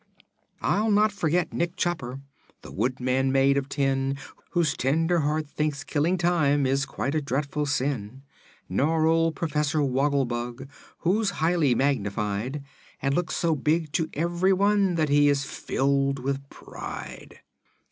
I'll not forget Nick Chopper, the Woodman made of Tin, Whose tender heart thinks killing time is quite a dreadful sin, Nor old Professor Woggle Bug, who's highly magnified And looks so big to everyone that he is filled with pride.